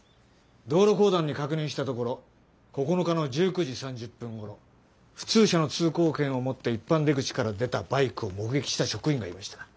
道路公団に確認したところ９日の１９時３０分ごろ普通車の通行券を持って一般出口から出たバイクを目撃した職員がいました。